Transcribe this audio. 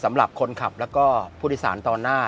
สำหรับคนขับแล้วก็ผู้โดยสารตอนหน้า